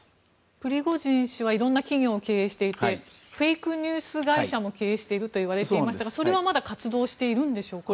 プリゴジン氏はいろんな企業を経営していてフェイクニュース会社も経営しているといわれていましたがそれはまだ活動しているんでしょうか？